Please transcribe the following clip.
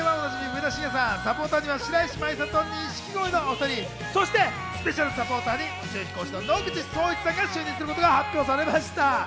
上田晋也さん、サポーターには白石麻衣さんと錦織のお２人、そしてスペシャルサポーターに宇宙飛行士・野口聡一さんが就任することが発表されました。